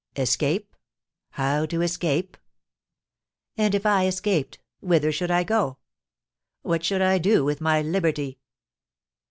Escape, how to escape? And, if I escaped, whither should I go? What should I do with my liberty?